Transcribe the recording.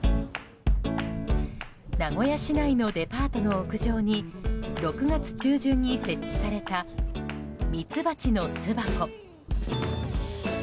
名古屋市内のデパートの屋上に６月中旬に設置されたミツバチの巣箱。